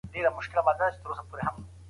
دوی لوبه وګټله